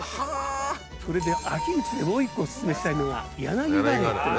それで秋口でもう１個お薦めしたいのが柳カレイ。